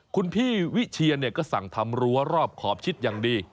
คุณพี่วิเชียนก็สั่งทำรั้วรอบขอบชิดอย่างดี